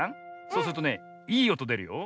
そうするとねいいおとでるよ。